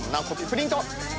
プリント。